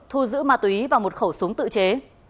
thu giữ ma túy và một khẩu súng tự chế